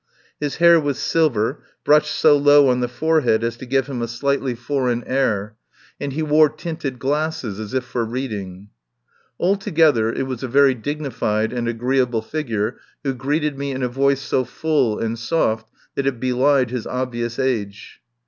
His hair was silver, brushed so low on the forehead as to give him a slightly for 62 TELLS OF A MIDSUMMER NIGHT eign air, and he wore tinted glasses, as if for reading. Altogether it was a very dignified and agreeable figure who greeted me in a voice so full and soft that it belied his obvious age.